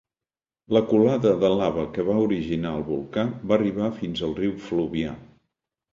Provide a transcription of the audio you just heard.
La colada de lava que va originar el volcà va arribar fins al riu Fluvià.